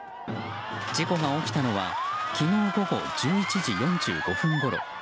事故が起きたのは昨日午後１１時４５分ごろ。